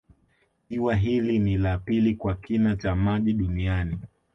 Ziwa hili ni la pili kwa kina cha maji duniani